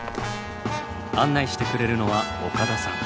案内してくれるのは岡田さん。